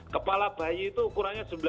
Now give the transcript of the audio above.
kepala bayi itu ukurannya sepuluh cm